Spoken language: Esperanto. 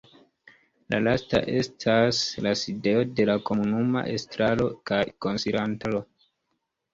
La lasta estas la sidejo de la komunuma estraro kaj konsilantaro.